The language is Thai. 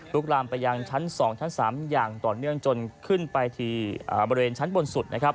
ลามไปยังชั้น๒ชั้น๓อย่างต่อเนื่องจนขึ้นไปที่บริเวณชั้นบนสุดนะครับ